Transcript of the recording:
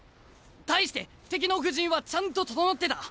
対して敵の布陣はちゃんと整ってた。